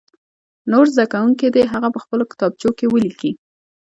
نور زده کوونکي دې هغه په خپلو کتابچو کې ولیکي.